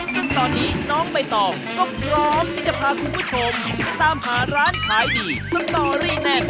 ซึ่งตอนนี้น้องใบตองก็พร้อมที่จะพาคุณผู้ชมไปตามหาร้านขายดีสตอรี่แน่น